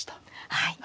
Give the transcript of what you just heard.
はい。